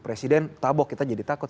presiden tabok kita jadi takut